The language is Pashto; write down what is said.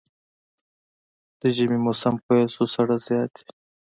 د ژمي موسم پيل شو ساړه زيات دی